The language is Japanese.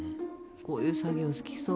こういう作業好きそう。